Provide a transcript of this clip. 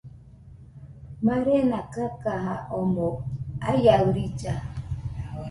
Marena kakaja omoɨ aiaɨrilla.